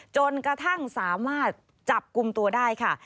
จนกระทั่งสามารถจับกลุ่มตัวได้ค่ะ